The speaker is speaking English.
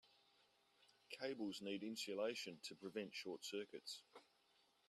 Cables need insulation to prevent short circuits.